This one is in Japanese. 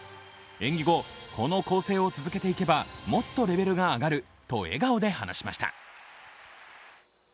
演技後、この構成を続けていけば、もっとレベルが上がると笑顔で話しました。